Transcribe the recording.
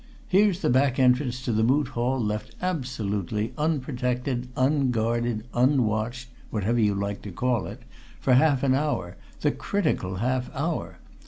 Here's the back entrance to the Moot Hall left absolutely unprotected, unguarded, unwatched whatever you like to call it for half an hour, the critical half hour.